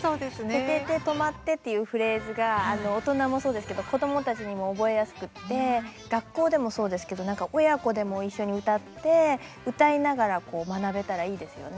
「ててて！とまって！」というフレーズが、大人もそうですけど子どもたちにも覚えやすくって学校でもそうですけど親子でも一緒に歌って歌いながら学べたらいいですよね。